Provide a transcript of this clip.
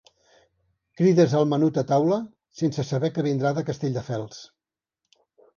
Crides el menut a taula sense saber que vindrà de Castelldefels.